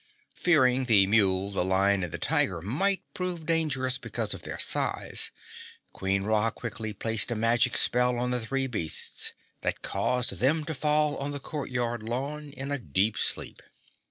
Fearing the mule, the lion and the tiger might prove dangerous because of their size, Queen Ra quickly placed a magic spell on the three beasts that caused them to fall on the court yard lawn in a deep sleep.